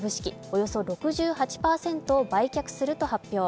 およそ６８％を売却すると発表。